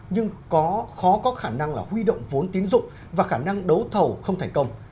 nhưng khó có khả năng là huy động vốn tín dụng và khả năng đấu thầu không thành công